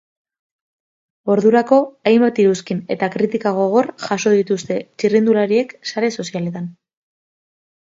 Ordurako hainbat iruzkin eta kritika gogor jaso dituzte txirrindulariek sare sozialetan.